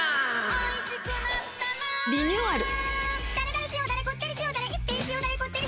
おいしくなったなリニューアル。